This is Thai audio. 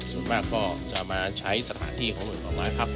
ส่วนมากก็จะมาใช้สถานที่ของหน่วยป่าไม้พัก